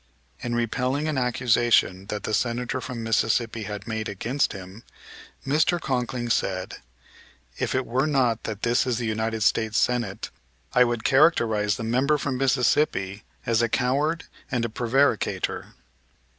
In repelling an accusation that the Senator from Mississippi had made against him, Mr. Conkling said: "If it were not that this is the United States Senate I would characterize the member from Mississippi as a coward and a prevaricator."